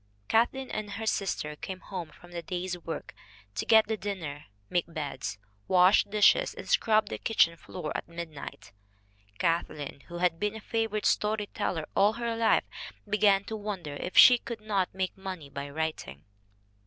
Kathleen and her sister came home from the day's work to get the dinner, make beds, wash dishes and scrub the kitchen floor at midnight. Kathleen, who had been a favorite story teller all her life, began to wonder if she could not make money by writing.